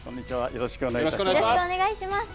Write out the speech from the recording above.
よろしくお願いします。